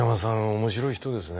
面白い人ですね。